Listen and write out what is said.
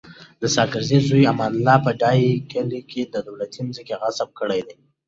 د ساګزی زوی امان الله په ډایی کلی کي دولتي مځکي غصب کړي دي